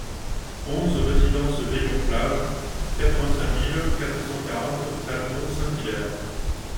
onze résidence Veillon Plage, quatre-vingt-cinq mille quatre cent quarante Talmont-Saint-Hilaire